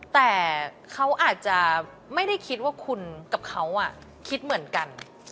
แต่เขาอาจจะไม่ได้คิดว่าคุณกับเขาคิดเหมือนกัน